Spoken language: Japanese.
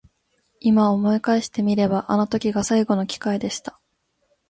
今思い返してみればあの時が最後の機会でした。